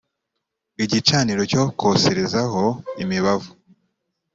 igicaniro cyo koserezaho imibavu